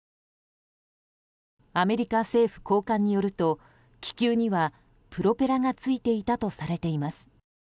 アメリカ政府高官によると気球にはプロペラがついていたとされています。